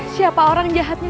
siapa orang jahatnya